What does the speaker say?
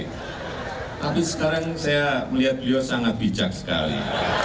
tapi sekarang saya melihat beliau sangat bijak sekali